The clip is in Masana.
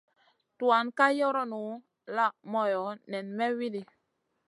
Tuan ka yoronu la moyo nen may widi.